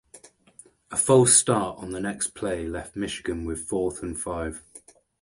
A false start on the next play left Michigan with fourth and five.